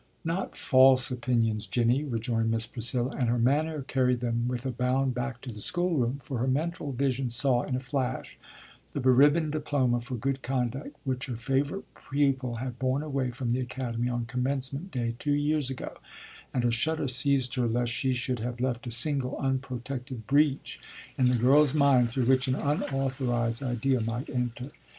"Not false opinions, Jinny!" rejoined Miss Priscilla, and her manner carried them with a bound back to the schoolroom, for her mental vision saw in a flash the beribboned diploma for good conduct which her favourite pupil had borne away from the Academy on Commencement day two years ago, and a shudder seized her lest she should have left a single unprotected breach in the girl's mind through which an unauthorized idea might enter.